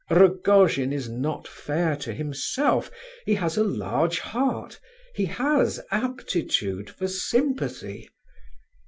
Rogojin is not fair to himself; he has a large heart; he has aptitude for sympathy.